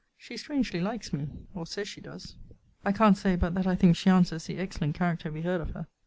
She strangely likes me, or says she does. I can't say but that I think she answers the excellent character we heard of her.